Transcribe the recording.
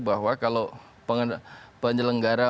bahwa kalau penyelenggara